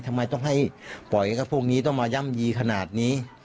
ทำไมต้องให้ปล่อยกับพวกนี้ต้องมาย่ำยีขนาดนี้